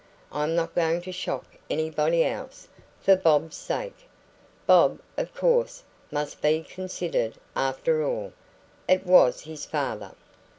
I am not going to shock anybody else, for Bob's sake. Bob, of course, must be considered; after all, it was his father.